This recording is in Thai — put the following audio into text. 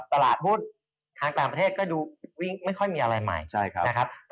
ตลาดหุ้นทางประเทศดูไม่ค่อยมีอะไรใหม่